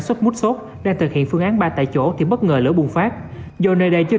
xuất mút sốt đang thực hiện phương án ba tại chỗ thì bất ngờ lửa bùng phát do nơi đây chưa